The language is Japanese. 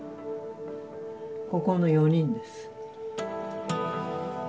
ここの４人です。